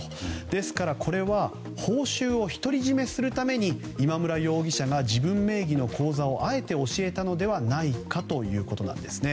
ですから、これは報酬を独り占めするために今村容疑者が自分名義の口座をあえて教えたのではないかということなんです。